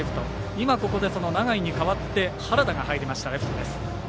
今、ここでその永井に代わって原田が入りました、レフトです。